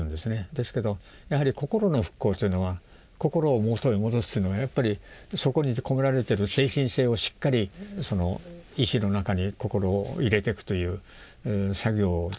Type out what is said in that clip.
ですけどやはり心の復興というのは心を元に戻すというのはやっぱりそこに込められてる精神性をしっかり石の中に心を入れていくという作業ですね。